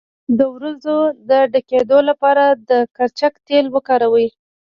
د وروځو د ډکیدو لپاره د کرچک تېل وکاروئ